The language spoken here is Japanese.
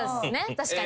確かに。